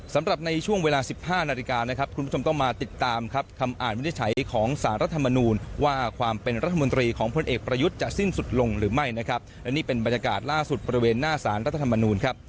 สำหรับในช่วงเวลาสิบห้านาฬิกานะครับคุณผู้ชมต้องมาติดตามครับคำอ่านวินิจฉัยของสารรัฐมนูลว่าความเป็นรัฐมนตรีของพลเอกประยุทธ์จะสิ้นสุดลงหรือไม่นะครับและนี่เป็นบรรยากาศล่าสุดบริเวณหน้าสารรัฐธรรมนูลครับ